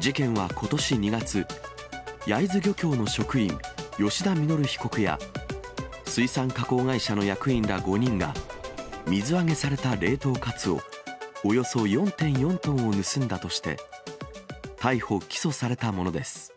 事件はことし２月、焼津漁協の職員、吉田稔被告や、水産加工会社の役員ら５人が、水揚げされた冷凍カツオおよそ４．４トンを盗んだとして、逮捕・起訴されたものです。